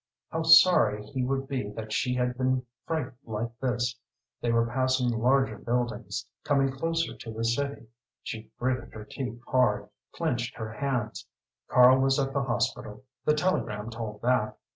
How sorry he would be that she had been frightened like this! They were passing larger buildings, coming closer to the city. She gritted her teeth hard, clenched her hands. Karl was at the hospital the telegram told that.